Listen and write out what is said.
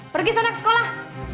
pergi sana ke sekolah